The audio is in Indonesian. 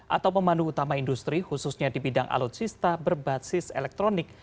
atau pemandu utama industri khususnya di bidang alutsista berbasis elektronik